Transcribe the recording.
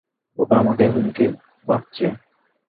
ওটা আমাকেই হুমকি ভাবছে।